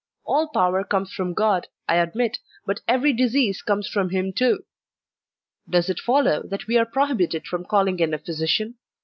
All power comes from God, I admit; but every disease comes from him too; does it follow that we are prohibited from calling in a physi cian?